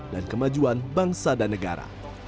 dan kemajuan bangsa dan negara